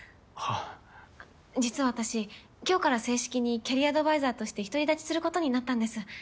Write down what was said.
あっ実は私今日から正式にキャリアアドバイザーとして独り立ちすることになったんです。